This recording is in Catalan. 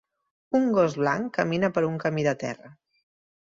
Un gos blanc camina per un camí de terra.